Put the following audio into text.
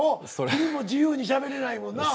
君も自由にしゃべれないもんな。